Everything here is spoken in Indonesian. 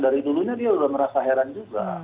dari dulunya dia sudah merasa heran juga